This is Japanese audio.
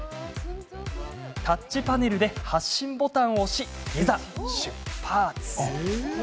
タッチパネルで発進ボタンを押しいざ出発。